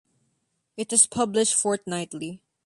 It is published fortnightly.